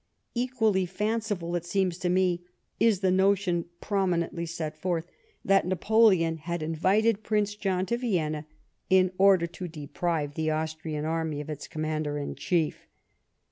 Equally fanciful, it seems to me, is the notion, prominently set forth, that Napoleon had invited Prince John to Vienna, in order to deprive the Austrian army of its Commander in Chief.